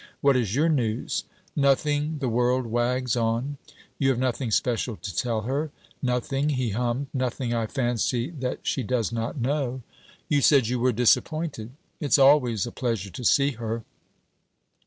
What is your news?' 'Nothing; the world wags on.' 'You have nothing special to tell her?' 'Nothing'; he hummed; 'nothing, I fancy, that she does not know.' 'You said you were disappointed.' 'It's always a pleasure to see her.'